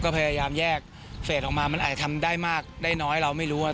ก็พยายามแยกเฟสออกมามันอาจจะทำได้มากได้น้อยเราไม่รู้ว่า